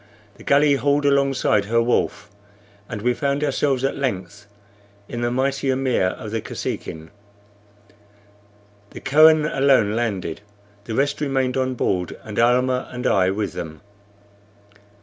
The galley hauled alongside her wharf, and we found ourselves at length in the mighty amir of the Kosekin. The Kohen alone landed; the rest remained on board, and Almah and I with them.